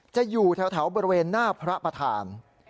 จะอยู่แถวบริเวณหน้าพระประธาน